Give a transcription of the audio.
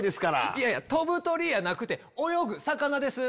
いやいや飛ぶ鳥やなくて泳ぐ魚です！